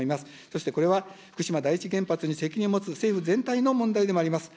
そしてこれは、福島第一原発に責任を持つ政府全体の問題でもあります。